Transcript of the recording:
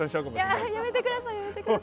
いややめてくださいやめてください。